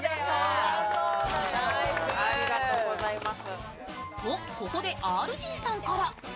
ありがとうございます。